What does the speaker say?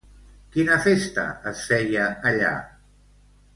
Quina festa es feia allà?